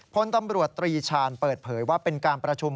พลตำรวจตรีชาญเปิดเผยว่าเป็นการประชุม